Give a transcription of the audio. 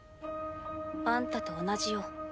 あんたと同じよ。